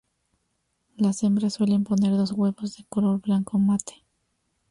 Las hembras suelen poner dos huevos de color blanco mate.